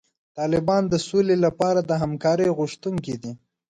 طالبان د سولې لپاره د همکارۍ غوښتونکي دي.